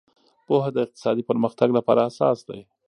پوهه د اقتصادي پرمختګ لپاره اساس دی.